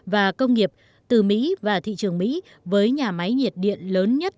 và công nghiệp từ mỹ và thị trường mỹ với nhà máy nhiệt điện lớn nhất